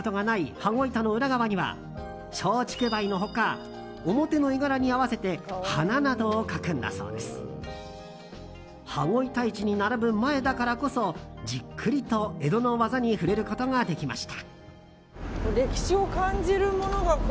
羽子板市に並ぶ前だからこそじっくりと江戸の技に触れることができました。